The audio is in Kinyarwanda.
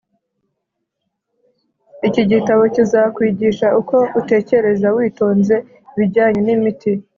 iki gitabo kizakwigisha uko utekereza witonze ibijyanye n'imiti,